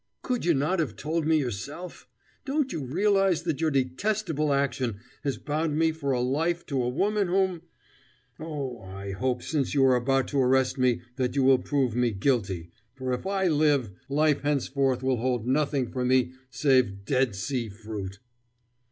Could you not have told me yourself? Don't you realize that your detestable action has bound me for life to a woman whom Oh, I hope, since you are about to arrest me, that you will prove me guilty, for if I live, life henceforth will hold nothing for me save Dead Sea fruit!"